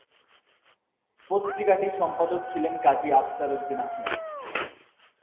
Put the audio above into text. পত্রিকাটির সম্পাদক ছিলেন কাজী আফসার উদ্দীন আহমদ।